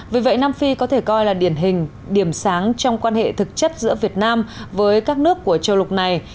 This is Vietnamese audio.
vì vậy nam phi có thể coi là điển hình điểm sáng trong quan hệ thực chất giữa việt nam với các nước của châu lục này